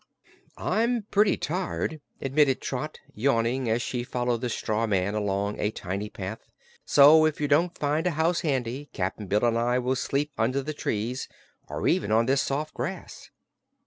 "I'm pretty tired," admitted Trot, yawning as she followed the straw man along a tiny path, "so, if you don't find a house handy, Cap'n Bill and I will sleep under the trees, or even on this soft grass."